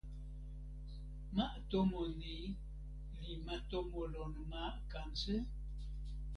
ma tomo ni li ma tomo lon ma Kanse?